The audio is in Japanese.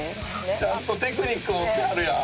「ちゃんとテクニック持ってはるやん」